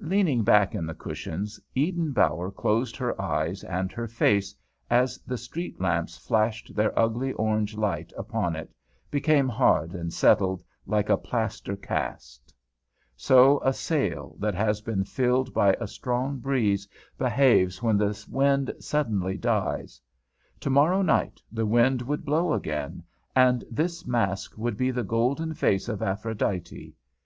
Leaning back in the cushions, Eden Bower closed her eyes, and her face, as the street lamps flashed their ugly orange light upon it, became hard and settled, like a plaster cast; so a sail, that has been filled by a strong breeze, behaves when the wind suddenly dies. Tomorrow night the wind would blow again, and this mask would be the golden face of Aphrodite.